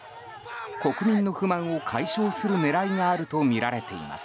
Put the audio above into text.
国民の不満を解消する狙いがあるとみられています。